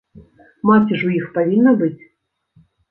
Маці ж у іх павінна быць.